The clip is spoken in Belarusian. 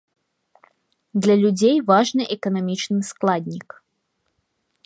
Для людзей важны эканамічны складнік.